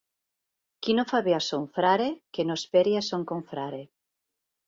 Qui no fa bé a son frare, que no esperi a son confrare.